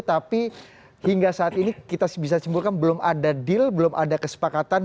tapi hingga saat ini kita bisa simpulkan belum ada deal belum ada kesepakatan